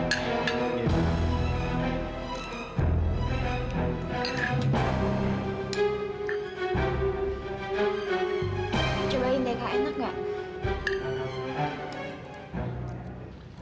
coba deh kak enak gak